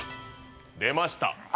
出ました